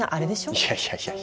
いやいやいや。